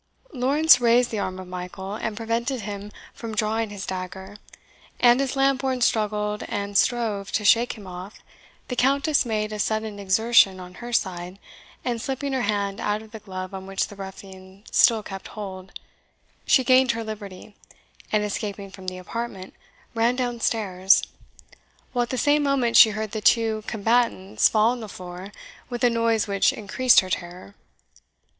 Lawrence raised the arm of Michael, and prevented him from drawing his dagger; and as Lambourne struggled and strove to shake him off; the Countess made a sudden exertion on her side, and slipping her hand out of the glove on which the ruffian still kept hold, she gained her liberty, and escaping from the apartment, ran downstairs; while at the same moment she heard the two combatants fall on the floor with a noise which increased her terror.